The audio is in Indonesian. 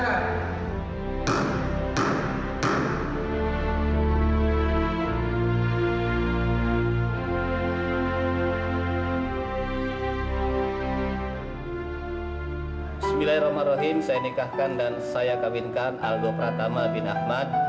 bismillahirrahmanirrahim saya nikahkan dan saya kawinkan algo pratama bin ahmad